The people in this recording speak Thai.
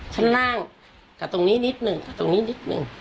ชั้นล่างกับตรงนี้นิดนึงตรงนี้นิดนึง